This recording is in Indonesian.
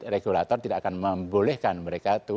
regulator tidak akan membolehkan mereka itu